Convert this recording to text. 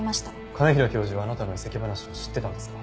兼平教授はあなたの移籍話を知ってたんですか？